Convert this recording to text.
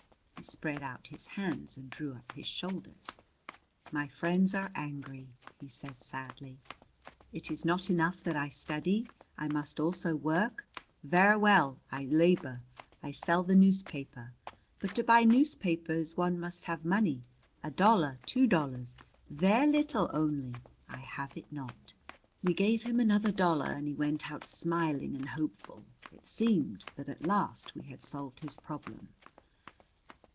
He spread out his hands and drew up his shoulders. "My friends are angry," he said sadly. "It is not enough that I study? I must also work? Ver' well, I labor. I sell the newspaper. But, to buy newspapers, one must have money a dollar; two dollars. Ver' leetle; only I have it not." We gave him another dollar and he went out smiling and hopeful. It seemed that at last we had solved his problem.